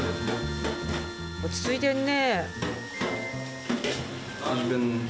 落ち着いてんね。